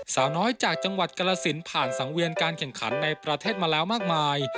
สาวน้อยจากจังหวัดกรสินผ่านสังเวียนการแข่งขันในประเทศมาแล้วมากมาย